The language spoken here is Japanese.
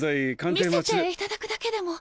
見せていただくだけでも。